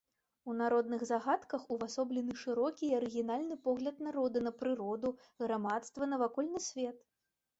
У народных загадках увасоблены шырокі і арыгінальны погляд народа на прыроду, грамадства, навакольны свет.